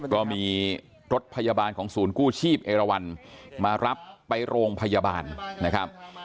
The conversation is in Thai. ก็มีรถพยาบาลของศูนย์กู้ชีพเอราวันมารับไปโรงพยาบาลนะครับ